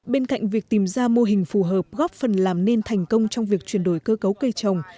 bên cạnh việc tìm ra mô hình phù hợp góp phần làm nên thành công trong việc chuyển đổi cơ cấu cây trồng